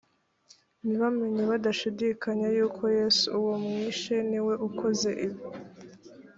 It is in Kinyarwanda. nibamenye badashidikanya yuko yesu uwo mwishe niwe ukoze ibi